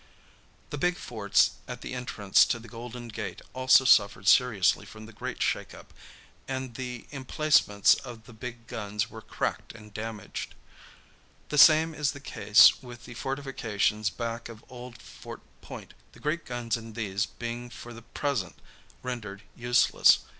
The big forts at the entrance to the Golden Gate also suffered seriously from the great shake up, and the emplacements of the big guns were cracked and damaged. The same is the case with the fortifications back of Old Fort Point, the great guns in these being for the present rendered useless.